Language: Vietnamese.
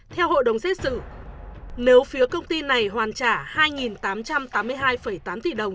theo hội đồng xét xử nếu phía công ty này hoàn trả hai tám trăm tám mươi hai tám tỷ đồng